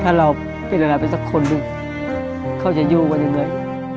ถ้าเราเป็นอะไรเป็นสักคนเลยเขาจะโยงกว่าอย่างนั้น